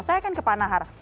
saya kan ke panahar